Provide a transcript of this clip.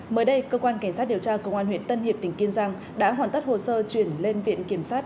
mới đây cơ quan kiểm soát điều tra công an huyện tân hiệp tỉnh kiên giang đã hoàn tất hồ sơ chuyển lên viện kiểm soát